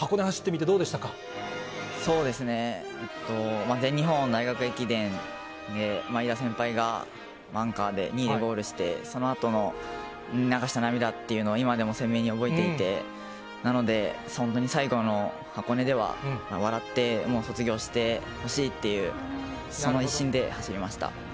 走ってみて、そうですね、全日本大学駅伝で、先輩がアンカーでゴールして、そのあとの流した涙っていうのを今でも鮮明に覚えていて、なので、そんなに最後の箱根では笑って卒業してほしいっていう、その一心で走りました。